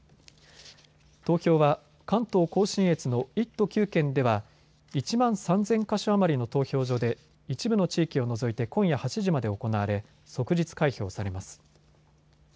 東京は関東甲信越の１都９県では１万３０００か所余りの投票所で一部の地域を除いて今夜８時まで行われ即日開票されます。